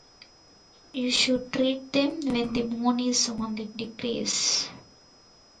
You should treat them when the moon is on the decrease.